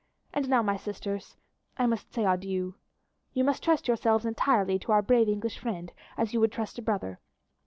And now, my sisters, I must say adieu. You must trust yourselves entirely to our brave English friend, as you would trust a brother.